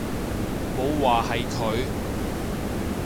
冇話係佢